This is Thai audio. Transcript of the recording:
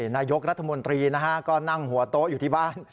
นายกรัฐมนตรีนะฮะก็นั่งหัวโต๊ะอยู่ที่บ้าน